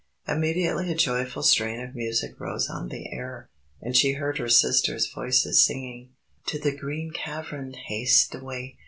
Immediately a joyful strain of music rose on the air, and she heard her sisters' voices singing: "_To the Green Cavern haste away!